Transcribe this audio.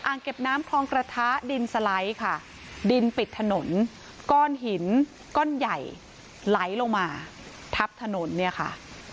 เก็บน้ำคลองกระทะดินสไลด์ค่ะดินปิดถนนก้อนหินก้อนใหญ่ไหลลงมาทับถนนเนี่ยค่ะ